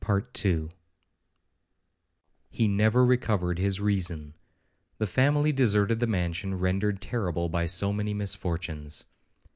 He never recovered his reason; the family deserted the mansion rendered terrible by so many misfortunes.